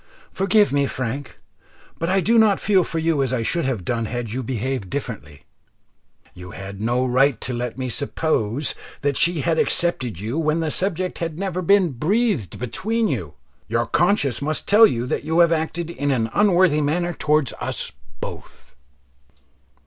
Forgive me, Frank, but I do not feel for you as I should have done had you behaved differently. You had no right to let me suppose that she had accepted you when the subject had never been breathed between you. Your conscience must tell you that you have acted in an unworthy manner towards us both."